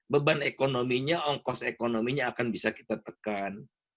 beban ekonominya ongkos ekonominya akan bisa kita tekan